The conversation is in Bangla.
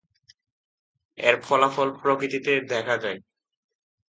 এর ফলাফল প্রকৃতিতে দেখা যায়।